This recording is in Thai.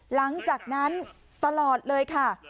หลังจากนั้นตลอดเลยค่ะ